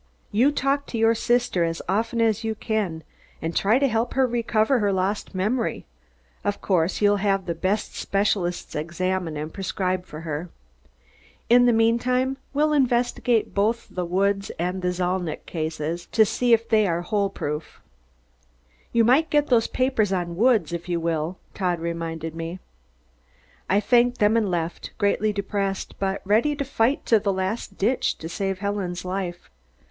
"You talk to your sister as often as you can and try to help her recover her lost memory. Of course you'll have the best specialists examine and prescribe for her. In the meantime, we'll investigate both the Woods and Zalnitch cases to see if they are hole proof." "You might get those papers on Woods, if you will," Todd reminded me. I thanked them and left, greatly depressed but ready to fight to the last ditch to save Helen's life.